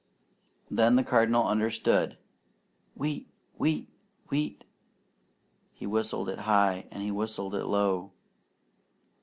Then the Cardinal understood. "Wheat! Wheat! Wheat!" He whistled it high, and he whistled it low.